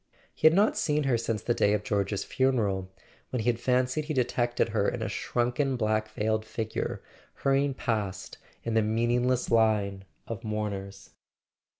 He had not seen her since the day of George's funeral, when he had fancied he detected her in a shrunken black veiled figure hurrying past in the meaningless line of mourners.